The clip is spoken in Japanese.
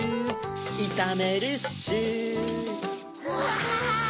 いためるッシュわぁ！